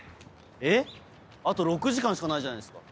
えっあと６時間しかないじゃないですか。